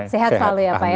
sehat selalu ya pak ya